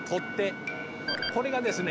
これがですね